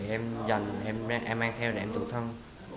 em mang theo để em tự thân